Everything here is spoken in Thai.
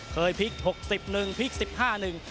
พลิกหกสิบหนึ่งพลิกสิบห้าหนึ่ง